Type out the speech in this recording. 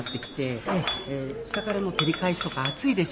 下からの照り返しとか暑いでしょ。